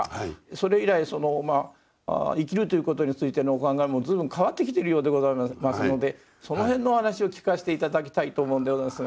それ以来生きるということについてのお考えも随分変わってきてるようでございますのでその辺のお話を聞かして頂きたいと思うんでございますが。